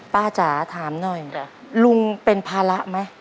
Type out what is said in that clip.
จ๋าถามหน่อยลุงเป็นภาระไหม